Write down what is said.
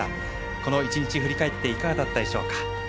この一日振り返っていかがだったでしょうか？